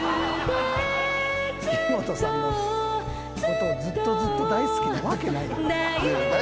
木本さんのことをずっとずっと大好きなわけない。